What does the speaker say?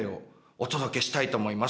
お届けしたいと思います。